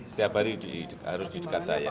setiap hari harus di dekat saya